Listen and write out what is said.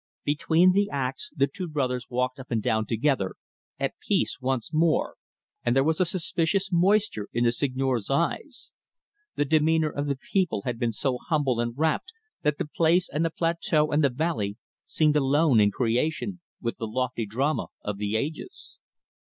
Between the acts the two brothers walked up and down together, at peace once more, and there was a suspicious moisture in the Seigneur's eyes. The demeanour of the people had been so humble and rapt that the place and the plateau and the valley seemed alone in creation with the lofty drama of the ages.